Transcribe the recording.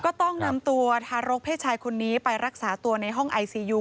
ก็ต้องนำตัวทารกเพศชายคนนี้ไปรักษาตัวในห้องไอซียู